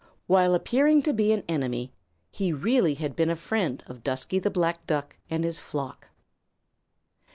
While appearing to be an enemy, he really had been a friend of Dusky the Black Duck and his flock.